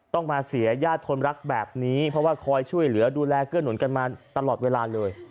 ต้องมาเสียญาติคนรักแบบนี้เพราะว่าคอยช่วยเหลือดูแลเกื้อหนุนกันมาตลอดเวลาเลย